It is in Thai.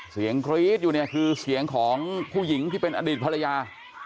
กรี๊ดอยู่เนี่ยคือเสียงของผู้หญิงที่เป็นอดีตภรรยา